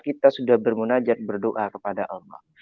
kita sudah bermunajat berdoa kepada allah